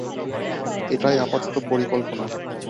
এটাই আপাতত পরিকল্পনা!